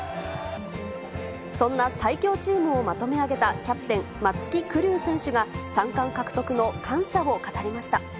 そんな最強チームをまとめ上げた、キャプテン、松木玖生選手が３冠獲得の感謝を語りました。